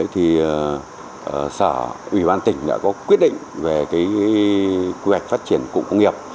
thì sở ủy ban tỉnh đã có quyết định về quy hoạch phát triển cụng công nghiệp